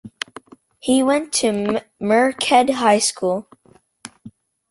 He went to Merced High School.